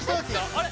あれ？